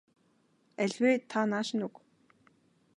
Аль вэ та нааш нь өг.